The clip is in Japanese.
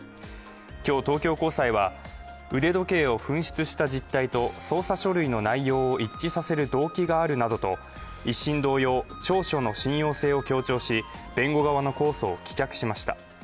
今日、東京高裁は腕時計を紛失した実態と捜査書類の内容を一致させる動機があるなどと一審同様、調書の信用性を強調し弁護側の控訴を棄却しました。